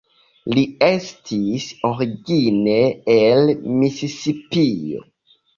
Li estis origine el Misisipio.